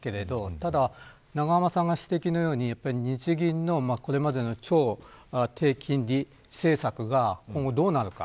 ただ、永濱さんの指摘のように日銀の、これまでの超低金利政策が今後どうなるか。